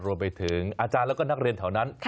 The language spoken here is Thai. รวมไปถึงอาจารย์แล้วก็นักเรียนแถวนั้น